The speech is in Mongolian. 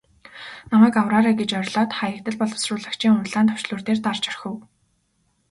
Намайг авраарай гэж орилоод Хаягдал боловсруулагчийн улаан товчлуур дээр дарж орхив.